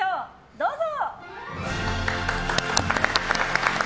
どうぞ！